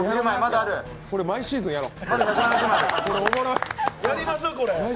これ、毎シーズンやろう。